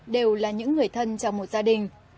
đều là những người thân trong một gia đình